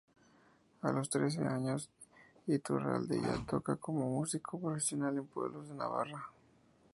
A los trece años, Iturralde ya toca como músico profesional en pueblos de Navarra.